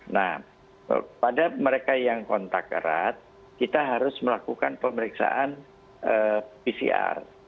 nah pada mereka yang kontak erat kita harus melakukan pemeriksaan pcr